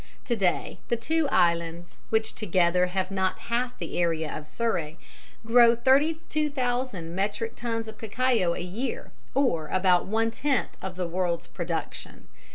To day the two islands, which together have not half the area of Surrey, grow 32,000 metric tons of cacao a year, or about one tenth of the world's production.